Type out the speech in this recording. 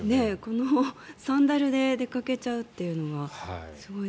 このサンダルで出かけちゃうっていうのはすごい。